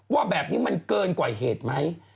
ว่าแบบนี้มันเกินกว่าเหตุไหม